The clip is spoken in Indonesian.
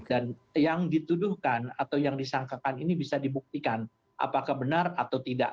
dan yang dituduhkan atau yang disangkakan ini bisa dibuktikan apakah benar atau tidak